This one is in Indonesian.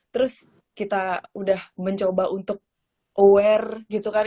terus kita udah mencoba untuk aware gitu kan